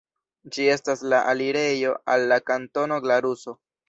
Ĝi estas la alirejo al la Kantono Glaruso.